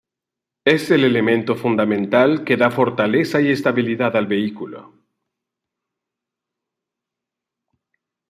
Es el elemento fundamental que da fortaleza y estabilidad al vehículo.